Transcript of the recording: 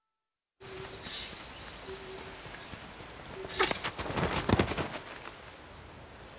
あっ！